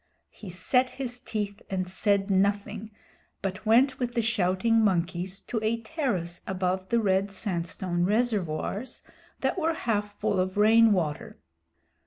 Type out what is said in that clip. He set his teeth and said nothing, but went with the shouting monkeys to a terrace above the red sandstone reservoirs that were half full of rain water.